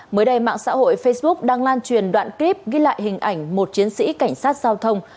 mới đây mạng xã hội facebook đang lan truyền đoạn clip ghi lại hình ảnh một chiến sĩ cảnh sát giao thông